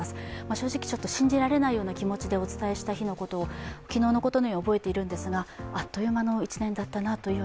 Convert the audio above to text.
正直信じられないような気持ちでお伝えした日のことを昨日のことのように覚えているんですが、あっという間だったなと。